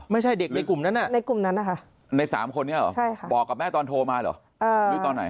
ไม่ใช่เด็กกลุ่มนั้นอะใน๓คนไงหรอบอกกับแม่ตอนโทรมาเหรอ